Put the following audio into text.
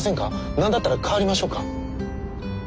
なんだったら代わりましょうか？